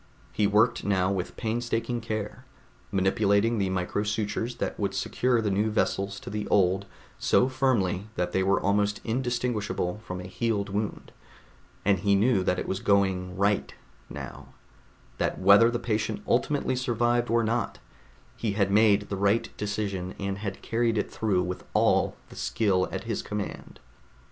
He worked now with painstaking care, manipulating the micro sutures that would secure the new vessels to the old so firmly that they were almost indistinguishable from a healed wound, and he knew that it was going right now, that whether the patient ultimately survived or not, he had made the right decision and had carried it through with all the skill at his command.